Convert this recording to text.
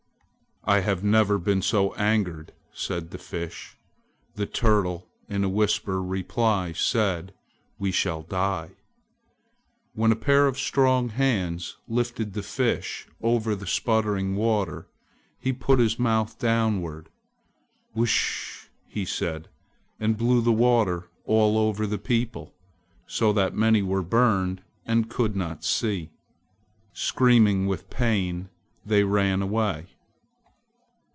"I have never been so angered!" said the Fish. The Turtle in a whispered reply said: "We shall die!" When a pair of strong hands lifted the Fish over the sputtering water, he put his mouth downward. "Whssh!" he said. He blew the water all over the people, so that many were burned and could not see. Screaming with pain, they ran away.